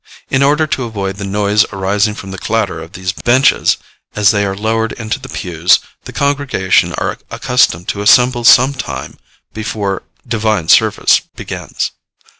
In order to avoid the noise arising from the clatter of these benches as they are lowered into the pews, the congregation are accustomed to assemble some time before divine service begins.